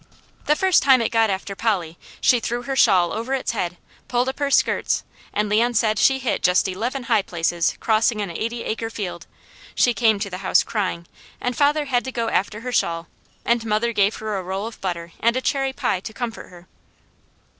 The first time it got after Polly, she threw her shawl over its head, pulled up her skirts, and Leon said she hit just eleven high places crossing an eighty acre field; she came to the house crying, and father had to go after her shawl, and mother gave her a roll of butter and a cherry pie to comfort her.